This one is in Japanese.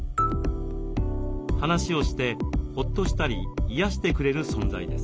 話をしてほっとしたりいやしてくれる存在です。